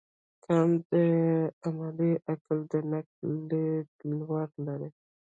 کانټ د عملي عقل د نقد لیدلوری لري.